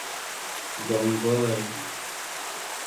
bonvole